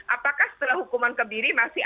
apakah setelah hukuman kebiri masih